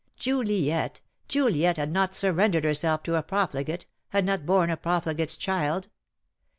"Juliet! Juliet had not surrendered herself to a profligate, had not borne a profligate's child.